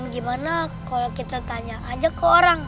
gimana kalau kita tanya aja ke orang